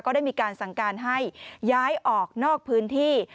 ได้มีการสั่งการให้ย้ายออกนอกพื้นที่